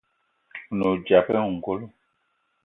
A ne odzap ayi ongolo.